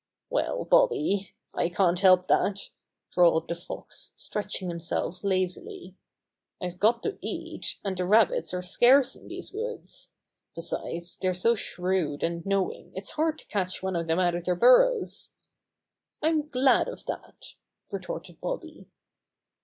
"Well, Bobby, I can't help that," drawled the Fox, stretching himself lazily. "I've got to eat, and the Rabbif; are scarce in these woods. Besides, they're so shrewd and know ing it's hard to catch one of them out of their burrows." "I'm glad of that!" retorted Bobby.